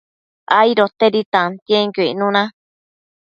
aidotedi tantienquio icnuna